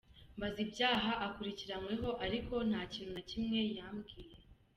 Mbaza ibyaha akurikiranyweho ariko nta kintu na kimwe yambwiye.”